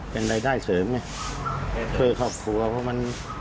เป็นรายได้เสริมไงช่วยครอบครัวเพราะมัน